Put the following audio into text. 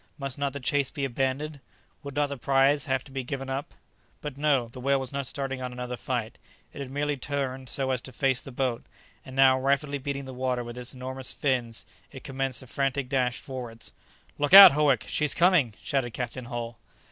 Must not the chase be abandoned? Would not the prize have to be given up? But no: the whale was not starting on another flight; it had merely turned so as to face the boat, and now rapidly beating the water with its enormous fins, it commenced a frantic dash forwards. "Look out, Howick, she's coming!" shouted Captain Hull.